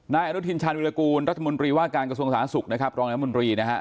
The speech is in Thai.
นายอนุทินชาญวิรากูลรัฐมนตรีว่าการกระทรวงสาธารณสุขนะครับรองรัฐมนตรีนะฮะ